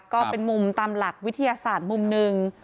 ก็เป็นมุมตามหลักวิทยาศาสตร์มุมหนึ่ง